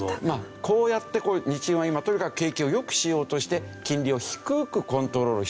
こうやって日銀は今とにかく景気を良くしようとして金利を低くコントロールしてる。